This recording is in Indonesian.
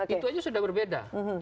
itu saja sudah berbeda